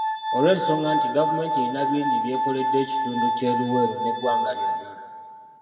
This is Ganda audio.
Olw'ensonga nti gavumenti erina bingi by'ekoledde ekitundu ky'e Luweero n'eggwanga lyonna.